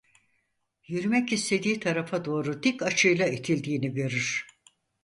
Yürümek istediği tarafa doğru dik açıyla itildiğini görür.